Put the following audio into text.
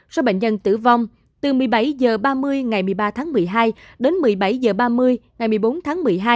số bệnh nhân tử vong từ một mươi bảy h ba mươi ngày một mươi ba tháng một mươi hai đến một mươi bảy h ba mươi ngày một mươi bốn tháng một mươi hai